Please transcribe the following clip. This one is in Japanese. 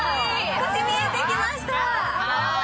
少し見えてきました。